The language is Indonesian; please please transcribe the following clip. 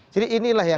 jadi inilah ya